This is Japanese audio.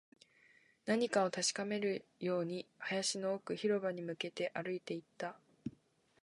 何かを確かめるように、林の奥、広場に向けて歩いていった